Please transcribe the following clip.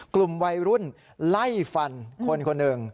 กลุ่มวัยรุ่นไล่ฟันคนคนหนึ่ง